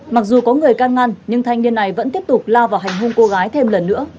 mặc dù có người can ngăn nhưng thanh niên này vẫn tiếp tục lao vào hành hung cô gái thêm lần nữa